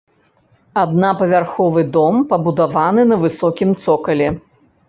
Аднапавярховы дом пабудаваны на высокім цокалі.